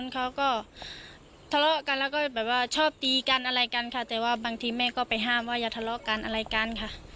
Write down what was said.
เค้าทะเลาะกันปี่กันเพราะอะไรของน้องนายสวย